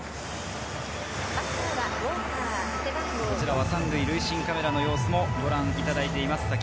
こちらは３塁塁審カメラの様子をご覧いただいています。